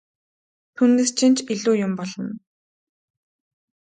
Түүнээс чинь ч илүү юм болно!